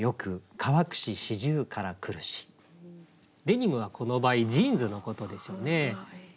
「デニム」はこの場合ジーンズのことでしょうね。